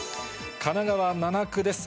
神奈川７区です。